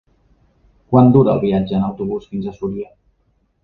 Quant dura el viatge en autobús fins a Súria?